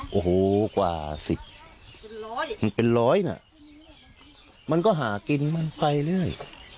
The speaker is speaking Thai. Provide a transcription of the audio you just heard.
เห้อหูกว่าสิบเป็นร้อยหน่ะมันก็หากินมั่นไปเลย